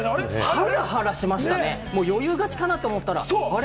ハラハラしましたよね、余裕勝ちかと思ったら、あれ？